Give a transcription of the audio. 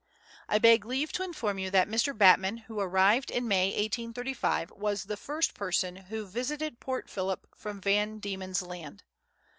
I beg leave to inform you that Mr. Batman, who arrived in May 1835, was the first person who visited Port Phillip from Van Diemen's Land.